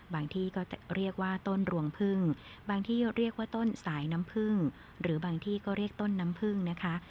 ที่ก็เรียกว่าต้นรวงพึ่งบางที่เรียกว่าต้นสายน้ำพึ่งหรือบางที่ก็เรียกต้นน้ำพึ่งนะคะ